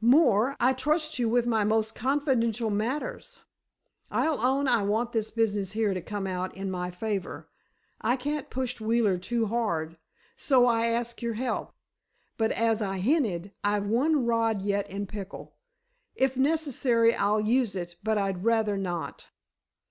More, I trust you with my most confidential matters. I'll own I want this business here to come out in my favor. I can't push Wheeler too hard—so I ask your help. But, as I hinted, I've one rod yet in pickle. If necessary, I'll use it, but I'd rather not."